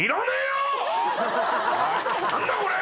何だこれ！